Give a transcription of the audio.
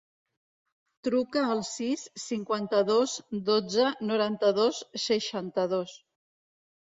Truca al sis, cinquanta-dos, dotze, noranta-dos, seixanta-dos.